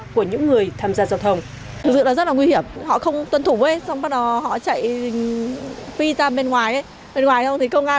của những người tham gia giao thông